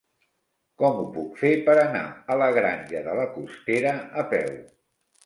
Com ho puc fer per anar a la Granja de la Costera a peu?